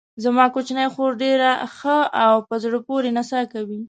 زما کوچنۍ خور ډېره ښه او په زړه پورې نڅا کوي.